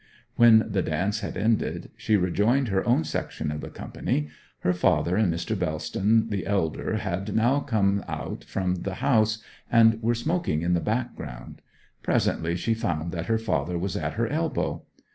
When the dance had ended she rejoined her own section of the company. Her father and Mr. Bellston the elder had now come out from the house, and were smoking in the background. Presently she found that her father was at her elbow.